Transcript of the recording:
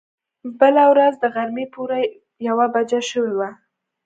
بله ورځ د غرمې پوره يوه بجه شوې وه.